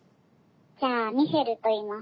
じゃあミシェルといいます。